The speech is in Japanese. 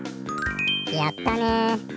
やったね。